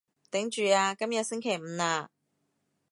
頂住啊，今日星期五喇